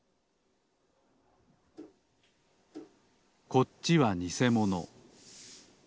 こっちはにせもの。